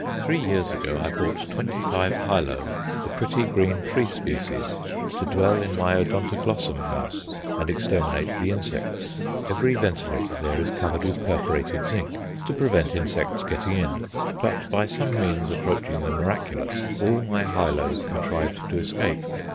Three years ago I bought twenty five Hyloe, the pretty green tree species, to dwell in my Odontoglossum house and exterminate the insects. Every ventilator there is covered with perforated zinc to prevent insects getting in; but, by some means approaching the miraculous, all my Hyloe contrived to escape.